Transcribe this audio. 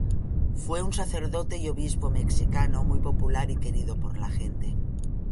Fue un sacerdote y obispo mexicano muy popular y querido por la gente.